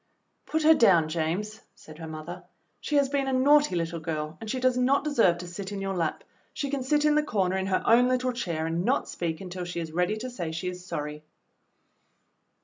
"Put her down, James," said her mother. "She has been a naughty little girl and she does not deserve to sit in your lap. She can sit in the corner in her own little chair and not speak until she is ready to say she is sorry."